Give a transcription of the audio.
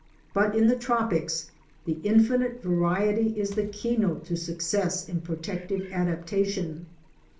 But in the tropics the infinite variety is the key note to success in pro tective adaptation.